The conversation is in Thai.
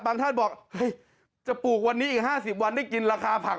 ท่านบอกเฮ้ยจะปลูกวันนี้อีก๕๐วันได้กินราคาผัก